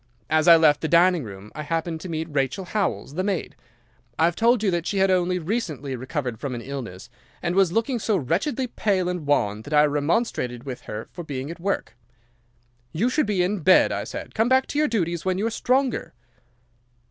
As I left the dining room I happened to meet Rachel Howells, the maid. I have told you that she had only recently recovered from an illness, and was looking so wretchedly pale and wan that I remonstrated with her for being at work. "'"You should be in bed," I said. "Come back to your duties when you are stronger."